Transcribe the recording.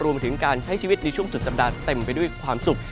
มาถึงการใช้ชีวิตในช่วงสุดสัปดาห์เต็มไปด้วยความสุข